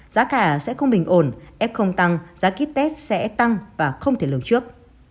giá cả sẽ không bình ổn ép không tăng giá kit test sẽ tăng và không thể lường trước